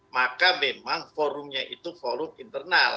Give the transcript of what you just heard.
maka memang forumnya itu forum internal